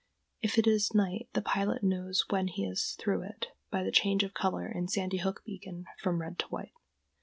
If it is night the pilot knows when he is through it by the change of color in Sandy Hook Beacon light from red to white.